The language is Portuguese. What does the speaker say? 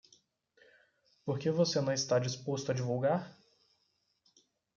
Por que você não está disposto a divulgar?